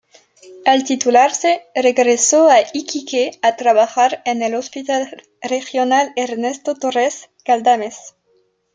Al titularse, regresó a Iquique a trabajar en el Hospital Regional Ernesto Torres Galdames.